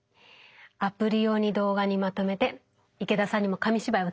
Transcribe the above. アプリ用に動画にまとめて池田さんにも紙芝居を作っていただきました。